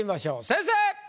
先生！